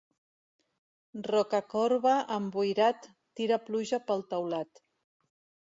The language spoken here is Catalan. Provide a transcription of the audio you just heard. Rocacorba emboirat, tira pluja pel teulat.